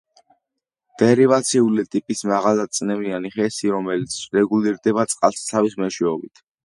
დერივაციული ტიპის მაღალდაწნევიანი ჰესი, რომელიც რეგულირდება წყალსაცავის მეშვეობით.